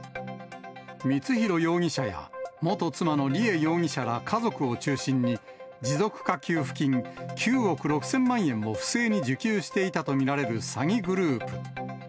光弘容疑者や元妻の梨恵容疑者ら家族を中心に、持続化給付金９億６０００万円を不正に受給していたと見られる詐欺グループ。